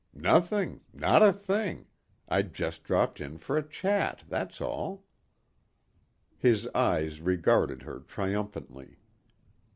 "Nothing. Not a thing. I just dropped in for a chat, that's all." His eyes regarded her triumphantly.